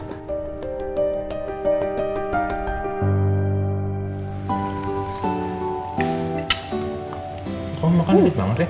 kamu makan dikit banget ya